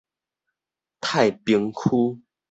太平區